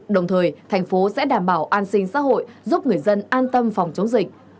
đồng thời thành phố sẽ đảm bảo an sinh xã hội giúp người dân an tâm phòng chống dịch